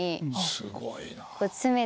すごいな。